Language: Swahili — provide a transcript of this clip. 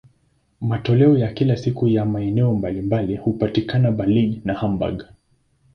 Matoleo ya kila siku ya maeneo mbalimbali hupatikana Berlin na Hamburg.